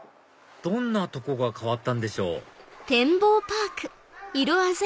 どんなとこが変わったんでしょう？